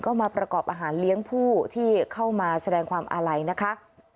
ก็มาประกอบอาหารเลี้ยงผู้ที่เข้ามาแสดงความอาลัยนะคะ